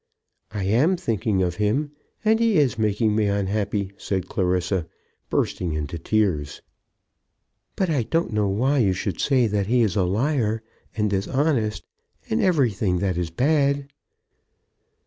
"I am thinking of him, and he is making me unhappy," said Clarissa, bursting into tears. "But I don't know why you should say that he is a liar, and dishonest, and everything that is bad."